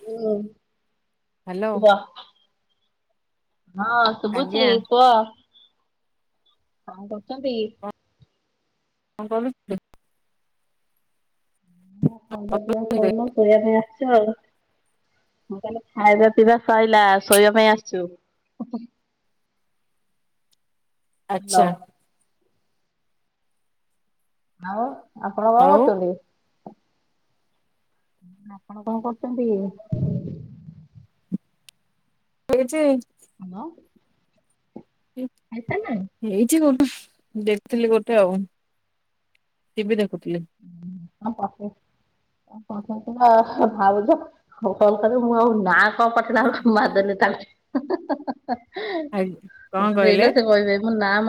ହୁଁ ହ୍ୟାଲୋ [unintelligible] ହଁ ଆଜ୍ଞା ଶୁଭୁଛି କୁହ? କଣ କରୁଛନ୍ତି କି? କଣ [unintelligible] ଖନ୍ଦ ଦିବା କନ ପିବା ପାଇଁ ଆସିଛୁ ଆଉ। ମୁଁ କହିଲି ଖାଇବା ପିଇବା ସରିଲା ଶୋଇବା ପାଇଁ ଆସିଛୁ। [inaudible] ହାଲୋ ଆଛା। ଆଉ ଆପଣ କ ଆଉ କରୁଛନ୍ତି? ଆପଣ କଣ କରୁଛନ୍ତି କି? ଏଇଠି ହାଲୋ ଖାଇସାରିଲେଣି? ହେଇଛି କଉଠୁ? ଦେଖୁଥିଲି ଗୋଟେ ଆଉ ଟିଭି ଦେଖୁଥିଲି। [unintelligible] ହଉ କଲ୍ କରିବ, ମୁଁ ଆଉ ନା [unintelligible] ଆ ମୁ କଣ ହେଲେ କହିଲେ ସେ କହିବେ ନା ମ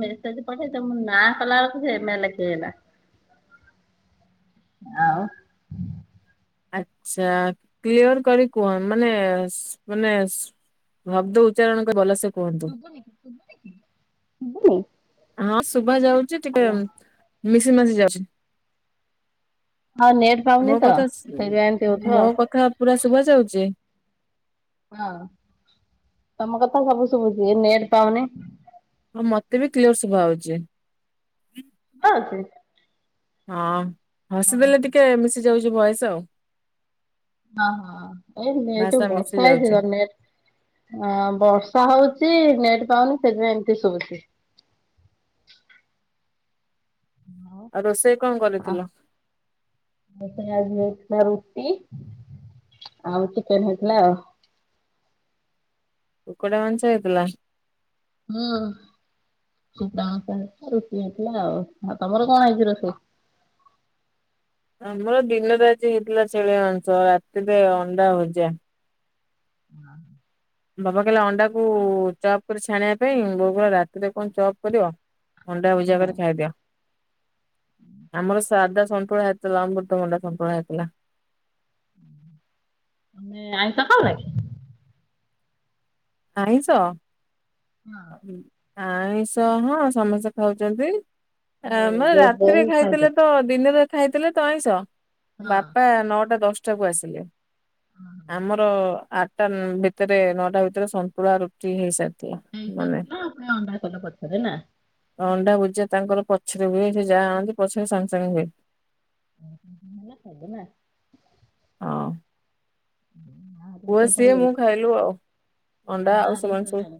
ମେଜ ପେଇ ନାଁ କଲାବେ ସେ ମେ [unintelligible] ଆଛା କ୍ଲିୟର କରି କୁହନ ମାନେ ମାନେ ଭବଦ ଉଚ୍ଚାରଣଙ୍କ ଭଲ ସେ ଶୁୁ [unintelligible] ଉଭା ଯାଉଛି ଟିକେ ମିଶି ମାଶି ଯାଉଛି ହଁ ନେଟ୍ ପାଉନି ମୋ ତ କଥା ସେଇଥିପାଇଁ ଏମିତି ହଉଥିବ ମୋ କଥା ପୁରା ଶୁଭ ଯାଉଛି? ହଁ ତମ କଥା ସବୁ ଶୁଭୁଛି ନେଟ ପାଉନି ହଁ ମତେ ବି କ୍ଲିୟର ସଭା ହଉଛି। ହଁ ସେ ହଁ ହସିଦେଲେ ଟିକେ ମିଶି ଯାଉଛି ବୟସ ଆଉ। ହଁ ହଁ ଏଇ ନର ତ ଭାଷା ମିଶି ବର୍ଷା ହେଛି ଯାଉଛି। ତନେର ଅ ବର୍ଷା ହଉଚ ନେଟ ପାଉନି ସେଜବେ ଏମିତି ସୁବଛି ଆଉ ରୋଷେଇ କଣ ହ କରିଥିଲ? ସେ ଆଜ ରୁଟି ଆଉ ଟଥିଲା ଆଉ। କୁକୁଡେ ମଂଷ ଆଇଥିଲା। ହଁ। ଶ ଜଣ ରୁଚି ହେଇଥିଲା ଆଉ ତମର କଣ ହେଇଛି ରୋଷେଇ? [inaudible] ଆମର ଦିନରେ ଆଜି ହେଇଥିଲା ଛେଳି ମାଂସ ରାତିରେ ଅଣ୍ଡା ଭଜା ହଁ। ବାବା କହିଲା ଅଣ୍ଡା କ ଚପ୍ କରି ଛାଣିବା ପାଇଁ ବୋଉ କ ରାତିରେ କଣ ଚପ୍ କରିବ ଅଣ୍ଡା ଭୁଜା ହଁ କରିରେ ଖାଇଦିଅ ଆମର ସାଧା ସନ୍ତୁଳା ହେଇଥିଲା ଅମୃତଭଣ୍ଡା ସନ୍ତୁଳା ହେଇଥିଲା। ଆମେ ଆଇ ତ ଖାଉ ଲଖି ଆ ତ ହଁ। ଆଇଷ ହଁ ସମସ୍ତେ ଖାଉଛନ୍ତି। ମ ଯୋଉ ରାତିରେ ବୋଉ ଖାଆନ୍ତି। ଖାଇଥିଲେ ତ ଦିନ ରାତି ଖାଇଥିଲେ ତଇଶହ ବାପା ହଁ। ନଅଟା ଦଶଟା ଆସିଲେ ଆମର ଆଠଟା ଭିତରେ ନଅଟା ଭ ସନ୍ତୁଳା ରୁଟି ହେଇସା ଏ ତ ନାପଣ ଆଣ ପଥରରେ ନା ଅଣ୍ଡା ଭୁଜିଆ ତାଙ୍କର ପଛରେ ହୁଏ ସେ ଯାହା ଆଣନ୍ତି ପଛରେ ସାଙ୍ଗେ ସାଙ୍ଗେ ହୁଏ। [unintelligible] ଖାଇଲ ନା। ହଁ ମା ହେରିକା ପୁଅ ସିଏ ମୁଁ ଶୋଇପଇଲେଣି ଖାଇଲୁ ଆଉ, ଅଣ୍ଡା ମା ଆଉ ହେରିକା ସେମାନ ସବୁ ଶୋଇଲେଣି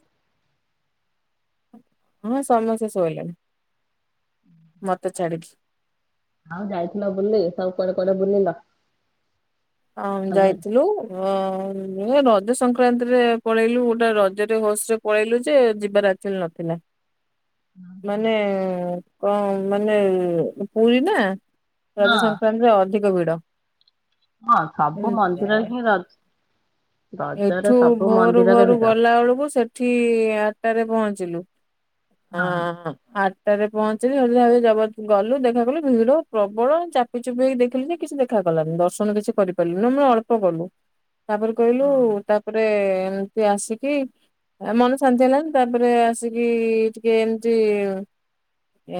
ହଁ ସମସ୍ତେ ଶୋଇଲେଣି ମତେ ଛାଡିକି। ଆଉ ଯାଇଥିଲ ବୁଲି, ସବୁ କୁଆଡେ କୁଆଡେ ବୁଲିଲ? ହଁ ରଜରେ ଯାଇଥିଲୁ ଅ ରଜ ସଂକ୍ରାନ୍ତିରେ ପଳେଇଲୁ ଗୋଟେ ରଜରେ ହୋସ ରେ ପଳେଇଲୁ ଯେ ଯିବାର ଆକଚୁଆଲି ନଥିଲା। ମାନେ କଣ ମାନେ ପୁରୀ ନା। ହଁ ରଜ ସଂକ୍ରାନ୍ତରେ ଅଧିକ ଭିଡ଼। ହଁ ସବୁ ମନ୍ଦିରରେ ହିଁ ର ରଜରେ ଏଠୁ ସବୁ ଭୋରୁ ମନ୍ଦିରରେ ଭୋରୁ ଭିଡ ଗଲା ବେଳକୁ ସେଠି ଆଠଟାରେ ପହଞ୍ଚିଲୁ। ହଁ ଆ ଆଠଟାରେ ପହଞ୍ଚିଲି [unintelligible] ଜଗ ଗଲୁ ଦେଖା କଲୁ ଭିଡ଼ ପ୍ରବଳ ଚାପି ଚୁପି ହେଇି ଦେଖିଲୁ ଯେ କିଛି ଦେଖା ଗଲାନି ଦର୍ଶନ କିଛି କରିପାରିଲୁନି, ଆମେ ଅଳ୍ପ କଲୁ ତାପରେ କହିଲୁ ତାପରେ ଏମତି ଆସିକି ଆ ମନ ଶାନ୍ତି ହେଲାନି ତାପରେ ଆସିକି ଟିକେ ଏମତି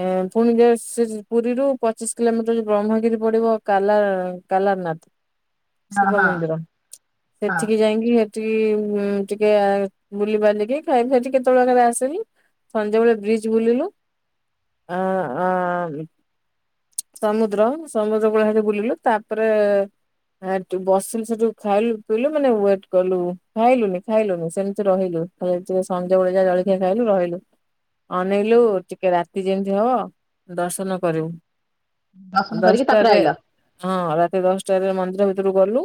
ଏଁ ପୁଣି ଯଉ ସେ ପୁରୀରୁ ପଚିଶ କିଲୋମିଟର ଯୋ ବ୍ରହ୍ମଗିରି ପଡିବ, କାଲା କାଲାରନାଥ ହଁ ଶିବ ହଁ ମନ୍ଦିର, ହଁ ସେଠିକି ଯାଇକି ସେଠି ଆଉ ଟିକେ ବୁଲିି ବାଲିକି ଖାଇ ଖେଦି କେତେବେଳ କରେ ଆସିଲୁ। ସନ୍ଧ୍ୟାବେଳେ ବ୍ରିଚ ବୁଲିଲୁ, ଆ-ଆନ। ସମୁଦ୍ର ସମୁଦ୍ର କୂଳ ସେଠି ବୁଲିଲୁ, ତାପରେ ଆର୍ ଟୁ ବସିଲୁ ସେଠୁ ଖାଇଲୁ ପିଇଲୁ ମାନେ ୱେଟ୍ କଲୁ ଖାଇଲୁନି ଖାଇଲୁନି ସେମତି ରହିଲୁ। ଏଇ ଜଷ୍ଟ ସଞ୍ଜବେଳେ ଯାଇଁ ଜଳଖିଆ ଖାଇଲୁ ରହିଲୁ, ଅନେଇଲୁ ଟିକେ ରାତି ଯେମତି ହବ ଦର୍ଶନ କରିବୁ ଦର୍ଶନ କରିକି ତାପରେ ଦଶଟାରେ ଆଇଲ ନ ହଁ ରାତି ଦଶଟାରେ ମନ୍ଦିର ଭିତରକୁ ଗଲୁ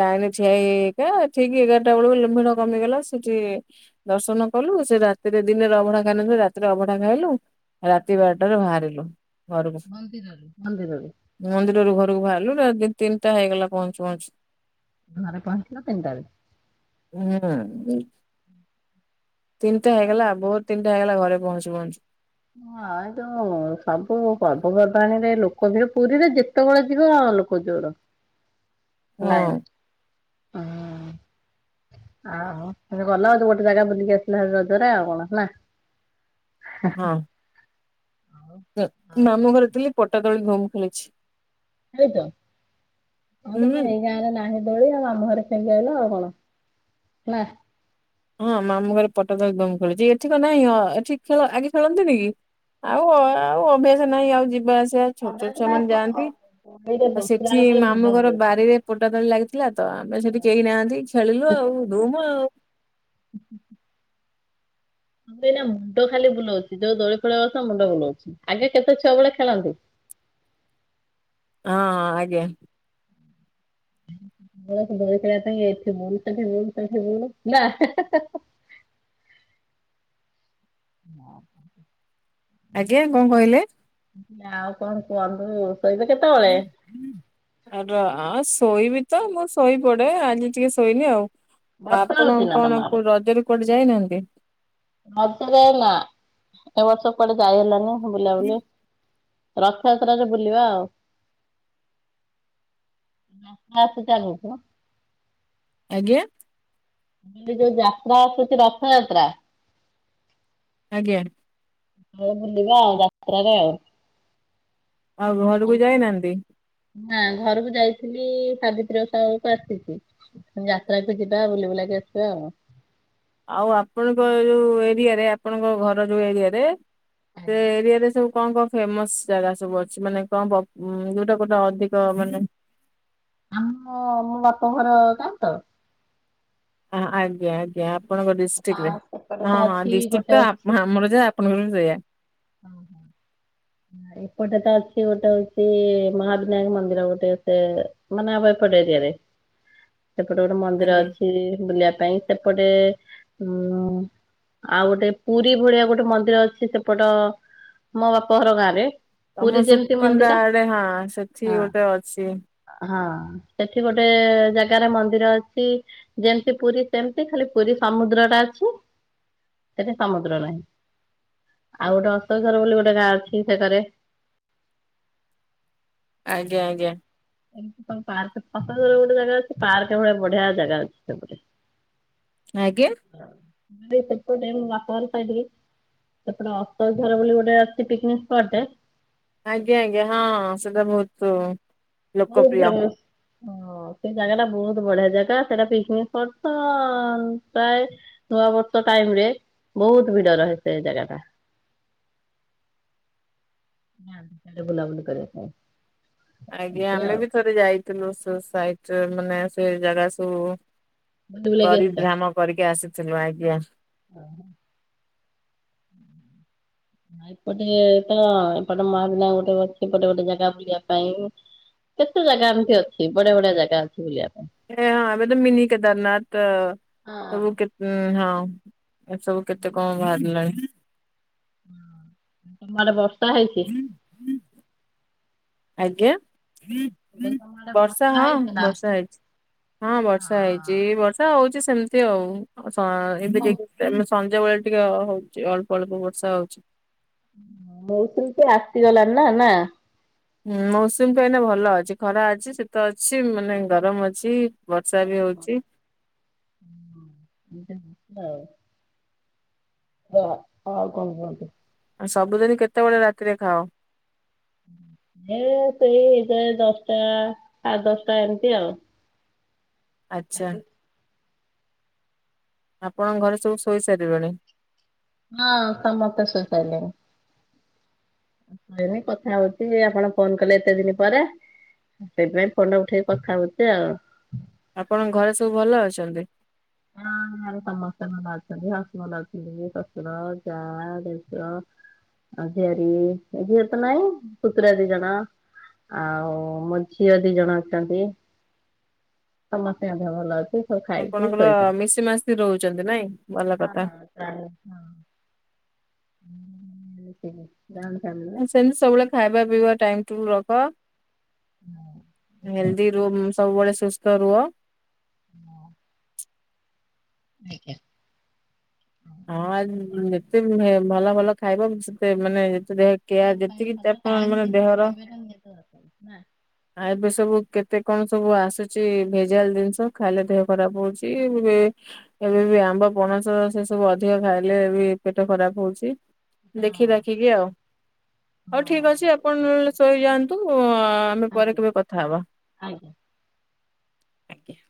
ଲାଇନରେ ଠିଆ ହେଇ ହେଇକା ଠିକି ଏଗାରଟା ବେଳକୁ ଯେମ ଭିଡ କମିଗଲା ସେଠି ଦର୍ଶନ କଲୁ ସେ ରାତିରେ ଦିନରେ ଅଭଢା ଖାଇ ନଥିଲୁ ରାତିରେ ଅବଢା ଖାଇଲୁ ଆଉ ରାତି ବାରଟାରେ ବାହାରିଲୁ। ଘରୁକୁ। ମନ୍ଦିରରୁ। ବାହାରିଲୁ ତିନଟା ହେଇଗଲା ପହଞ୍ଚୁ ପହଞ୍ଚୁ। ଘରେ ପହଞ୍ଚିଲ ତିନଟାରେ। ତିନଟା ହେଇଗଲା ଭୋର ତିନଟା ହେଇଗଲା ଘରେ ପହଞ୍ଚୁ ପହଞ୍ଚୁ। ହଁ ଏଇ ଯୋଉ ସବୁ ପର୍ବ ପର୍ବାଣିରେ ଲୋ କ ଭିଡ ପୁରୀରେ ଯେତେବେଳେ ଯିବ ଲୋକ ଜୋର। ହଁ। ଲାଇନ [inaudible] ଆ ହ ତମେ ଗଲ ଆଉ ତ ଗୋଟେ ଜାଗା ବୁଲିକି ଆସିଲ ରଜରେ ଆଉ କଣ ନା। ହଁ। ଆଉ କଣ ମାମୁଁ ଘରେ ଥିଲି ପଟା ଦୋଳି ଧୁମ ଖେଳିଛି। ନାଇଁତ ଆଉ ତମ ହୁଁ ଏଇ ଗାଁରେ ନାହିଁ ଦୋଳି ଆଉ ମାମୁଁଘରେ ଖେଳିକି ଆଇିଲ ଆଉ କଣ ନା। ହଁ ମାମୁଁଘରେ ପଟାଦୋଳି ଧୁମ ଖେଳଛି ଏଠି କଁ ନାହିଁ ଏଠି ଖେଳ ଆଗେ ଖେଳନ୍ତିନି କି? ଆଉ ହ ଆଉ ଅଭ୍ୟାସ ନାହିଁ ଆଉ ଯିବା ଆସ ସିଆ ଅଧା ଛୋଟଛୋଟ ନାଇଁ ଛୁଆମାନେ କଣ ଯାଆନ୍ତି ଦୋଳିରେ ଆଉ ବସିଲା ସେଠି ବେଳକୁ ଖାଲି ମୁଣ୍ଡ ମାମୁଁଘର ବୁଲଉଛି। ବାରିରେ ପଟା ଦୋଳି ଲାଗିଥିଲା ତ। ଆମେ ସେଠି କେହି ନାହାନ୍ତି ଖେଳିଲୁ ଆଉ ଧୁମ୍ ଆଉ। ଉ ହୁ ହୁ। ମତେ ଏଇନା ମୁଣ୍ଡ ଖାଲି ବୁଲଉଛି, ଯୋଉ ଦୋଳି ଫୋଳିରେ ବସିଲେ ମୁଣ୍ଡ ବୁଲଉଛି। ଆଗେ କେତେ ଛୁଆ ବେଳେ ଖେଳନ୍ତି। ହଁ ଆଜ୍ଞା। [inaudible] ଦେଖ ଦୋଳି ଖେଳିବା ପାଇଁ ଏଠି ବୁଲୁଚନ୍ତି। [unintelligible] ନା ହେଁ ହେଁ ହେଁ। [inaudible] ନାଁ କହୁଚି। ଆଜ୍ଞା କଣ କହିଲେ। ଆଉ କଣ କୁହନ୍ତୁ। ଶୋଇବ କେତେବେଳେ ଆଉ ଅଁ ଶୋଇବି ତ ମୁଁ ଶୋଇ ପଡେ ଆଜି ଟିକେ ଶୋଇନି ଆଉ। ବର୍ଷା ଆପଣ ହଉଛି ନା ତମ କଣ କୁ ରଜରେ କୁଆଡେ ଯାଇନାହାନ୍ତି। ମଝିରେ ନାଁ ଏ ବର୍ଷ କୁଆଡେ ଯାଇ ହେଲାନି। ବୁଲାବୁଲି ରଥଯାତ୍ରାରେ ବୁଲିବା ଆଉ। [unintelligible] ଚାଲୁଚି। ଆଜ୍ଞା। ଇଏ ଯୋଉ ଯାତ୍ରା ଆସୁଛି ରଥଯାତ୍ରା। ଆଜ୍ଞା। ଆଉ ବୁଲିବା ଯାତ୍ରାରେ ଆଉ। ଆଉ ଘରକୁ ଯାଇନାହାନ୍ତି। ନାଁ ଘରକୁ ଯାଇଥିଲି ସାବିତ୍ରୀ ଓଷାବେଳକୁ ଆସିଛି। ଯାତ୍ରାକୁ ଯିବା ବୁଲିବୁଲାକି ଆସିବା ଆଉ। ଆଉ ଆପଣଙ୍କ ଯୋଉ ଏରିଆରେ ଆପଣଙ୍କ ଘର ଯୋଉ ଏରିଆରେ। ସେ ଏରିଆରେ ସ କଣ କଣ ଫେମସ ଜାଗା ସବୁ ଅଛି। ମାନେ କଣ ଦ ଉଁ କୋଉଟା କୋଉଟା ଅଧିକ ମାନେ ଆମ ମୋ ବାପ ଘର ଗାଁ ତ। ହଁ ଆଜ୍ଞା ଆଜ୍ଞା ଆ ଆପଣଙ୍କ ତା ଡିଷ୍ଟ୍ରିକରେ ସେପଟେ ହଁ ତ ହଁ ଅଛି ଡିଷ୍ଟ୍ରିକ୍ଟ ଗୋଟେ ତ ଆପ ଆମର ଯା ଆପଣଙ୍କର ବି ସେଇଆ। ଓ ହୋ। ହୁଁ ଏପଟେ ତ ଅଛି ଗୋଟେ ହଉଚି। ମହାବିନାୟକ ମନ୍ଦିର ଗୋଟେ ଏତେ ମାନେ ଆମ ଏ ପଟ ଏରିଆରେ। ହ ସେପଟେ ଗୋଟେ ମନ୍ଦିର ଅଛି ବୁଲିଆ ପାଇଁ। ସେପଟେ ଉଁ ଆଉ ଗୋଟେ ପୁରୀ ଭଳିଆ ଗୋଟେ ମନ୍ଦିର ଅଛି। ସେପଟ ମୋ ବାପା ଘର ଗାଁରେ। ତମ ପୁରୀ ଯେମିତି ସୁକିନ୍ଦା ମନ୍ଦିର ଆଡେ ହଁ ସେଠି ହଁ ଗୋଟେ ଅଛି ହଁ। ସେଠି ଗୋଟେ ଜାଗାରେ ମନ୍ଦିର ଅଛି। ଯେମିତି ପୁରୀ ସେମତି ଖାଲି ପୁରୀ ସମୁଦ୍ର ଅଛି ସେଠି ସମୁଦ୍ର ନାହିଁ। ଆଉ ଗୋଟେ ଅସକଝର ବୋଲି ଗୋଟେ ଗାଁ ଅଛି। ଛି ସେକରେ। ଆଜ୍ଞା ଆଜ୍ଞା। ଏମତି କଣ ପାର୍କ ପସନ୍ଦର ଗୋଟେ ଜାଗା ଅଛି। ପାର୍କ ଭଳିଆ ବଢିଆ ଜାଗା ଅଛି ସେପଟେ। ଆଜ୍ଞା। ସେପଟେ ମୋ ବାପଘର ସାଇଟରେ ସେପଟେ ଅସକଝର ବୋଲି ଗୋଟେ ଅଛି। ଟି ଏଁପଟେ। ଆଜ୍ଞା ଆଜ୍ଞା ସେଟା ବହୁତ ହଁ। ଭୋଉତୁ ଲୋକପ୍ରିୟ। ଭଲ। [inaudible] ସେ ଜାଗା ଟା ବହୁତ ବଢିଆ ଜାଗା ସେଟା ପିକନିକ ଷପଟ ତ ଆଉ। ପ୍ରାୟ ନୂଆ ବର୍ଷ ଟାଇମ ରେ ବହୁତ ଭିଡ ରହେ ସେଇଜାଗା ଟା। [inaudible] ନିଅନ୍ତି ସେଆଡେ ବୁଲାବୁଲି କରିବା ପାଇଁ। ଆଜ୍ଞା ଏମିତି ଆମେ ଆଉ ବି ଥରେ ଯାଇଥିଲୁ ସେ ସାଇଟ ମାନେ ସେଇ ଜାଗା ସବୁ। ବୁଲି ବୁଲାକି ପରିଭ୍ରାମ କରିକି ଆସିଥିଲୁ ଆଜ୍ଞା। ଅହ। ନାଇଁ ଏପଟେ ତ ଏପଟେ ମହାବିନାୟ ଗୋଟେ ଅଛି। ଏପଟେ ଗୋଟେ ଜାଗା ବୁଲିବା ପାଇଁ। କେତେ ଜାଗା ଏମିତି ଅଛି ବଢିଆ ବଢିଆ ଜାଗା ଅଛି ବୁଲିବା ପାଇଁ ଏ ହଁ ଏବେ ତ ମିନି କେଦାରନାଥ ହଁ, ସବୁ କେ ହଁ ଏସବୁ କେତେ କଣ ବାହାରିଲାଣି। ତମ ଆଡେ ବର୍ଷା ହେଇଛି? ଆଜ୍ଞା ମୁଁ କହିଲି ତମ ଆଡ଼େ ବର୍ଷା ହଁ ହେଇଛି ନା ବର୍ଷା ହେଇଛି। ହଁ ବର୍ଷା ହେଇଛି ବର୍ଷା ହଉଛି ସେମିତି ଆଉ ହଁ ଏବେ ସନ୍ଧ୍ୟା ବେଳେ ଟିକେ ହଉଚ ଅଳ୍ପ ଅଳ୍ପ ବର୍ଷା ହଉଛି। ମଉସୀ ତ ଆସିଗଲାଣି ନା ନା। ହଁ ମୌସୁମୀ ପାଇଁ ନା ଭଲ ଅଛି ଖରା ଅଛି ଶୀତ ଅଛି ମାନେ ଗରମ ଅଛି ବର୍ଷା ଓହୋ। ବି ହଉଛିି ହଉ। ହ ହଉ କଣ କୁହନ୍ତୁ? ଆ ସବୁଦିନ କେତେବେଳେ ରାତିରେ ଖାଅ? ଏ ସେଇଇଯ ଦଶଟା ସା଼େ ଦଶଟା ଏମିତି ଆଉ। ଆ୍ଛା। ଆପଣଙ୍କ ଘରେ ସବୁ ଶୋଇ ସାରିଲେଣି? ହଁ ସମସ୍ତେ ଶୋଇ ସାରିଲେନି। ନି କଥା ହଉଛି ଯେ ଆପଣ ଫୋନ କଲେ ଏତେ ଦିନ ପରେ ସେଇଥିପାଇଁ ଫୋନ୍ ଟା ଉଠେଇକି କଥା ହଉଛି ଆଉ। ଆପଣଙ୍କ ଘରେ ସବୁ ଭଲ ଅଛନ୍ତି? ହଁ ସମସ୍ତେ ଭଲ ଅଛନ୍ତି ହ ସମସ୍ତେ ଭଲ ଅଛନ୍ତି ଶଶୁର ଯା ଦେସ ଆ ସୋର ଏଜିତ ନାଇଁ ପୁତୁରା ଦି ଜଣା। ଆଉ ମୋ ଝିଅ ଦି ଜଣ ଅଛନ୍ତି। ସମସ୍ତେ ମଧ୍ୟ ଭଲ ଅଛି ସବୁ ଖାଇକି ଆପଣଙ୍କର ଶୋଇ ମିଶି ମାସ ରହୁଛନ୍ତି ନାଇଁ ଭଲ କଥା। [inaudible] ହଁ ପ୍ରାଣୀ [inaudible] ନା। ସେମିତି ସବୁବେଳେ ଖାଇବା ପିଇବା ଟାଇମ ଟେବୁଲ୍ ରଖ ହେଲଦି ରୁ ସବୁବେଳେ ସୁସ୍ଥ ରୁହ ହଁ [inaudible] ହଁ ଯେତେ ଭଲ ଭଲ ଖାଇବ ସେତେ ମାନେ ଦେହ କେୟାର ଯେତିକି ଆପଣ ମାନେ ଦେହର [unintelligible] ନା ଆ ଏବେ ସବୁ କେତେ କଣ ସବୁ ଆସୁଛି ଭେଜାଲ ଜିନିଷ ଖାଇଲେ ଦେହ ଖରାପ ହଉଛି ଏବେ। ଏବେ ବି ଆମ୍ବ ପଣସ ସେ ସବୁ ଅଧିକ ଖାଇଲେ ଏ ବି ପେଟ ଖରାପ ହଉଛି ଦେଖି ହଁ। ଦାଖିକି ଆଉ। ହଉ ହଁ ଠିକ ହଁ ଅଛି ଆପଣ ନହେଲେ ଅଛି। ଶୋଇ ଯାଆନ୍ତୁ ଆମେ ପରେ ଆଜ୍ଞା। କେବେ କଥା ହବା [unintelligible] ଆଜ୍ଞା